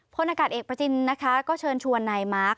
พลอากาศเอกประจินนะคะก็เชิญชวนนายมาร์ค